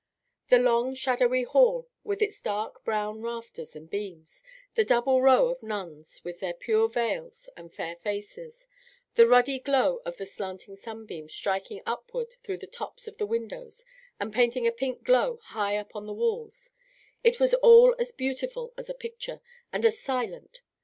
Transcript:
The long, shadowy hall, with its dark brown rafters and beams; the double row of nuns, with their pure veils and fair faces; the ruddy glow of the slanting sunbeams striking upward through the tops of the windows and painting a pink glow high up on the walls, it was all as beautiful as a picture, and as silent.